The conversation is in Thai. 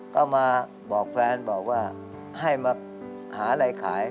ก็มาบอกแฟนบอกว่าให้มาหาอะไรขาย